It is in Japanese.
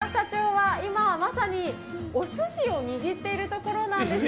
那波社長は今まさにおすしを握っているところなんです。